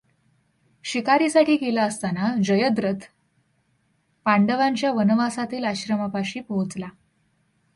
शिकारीसाठी गेला असताना जयद्रथ पांडवांच्या वनवासातील आश्रमापाशी पोहोचला.